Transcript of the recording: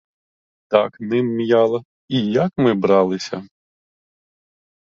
Так ним м'яла, і як ми бралися.